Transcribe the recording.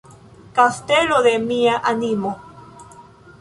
Kastelo de mia animo.